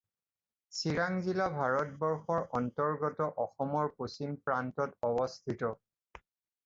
চিৰাং জিলা ভাৰতবৰ্ষৰ অন্তৰ্গত অসমৰ পশ্চিম প্ৰান্তত অৱস্থিত।